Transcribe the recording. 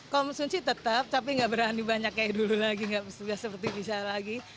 konsumsi tetap tapi nggak berani banyak kayak dulu lagi nggak seperti bisa lagi